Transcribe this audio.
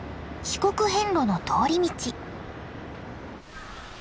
四国遍路の通り道。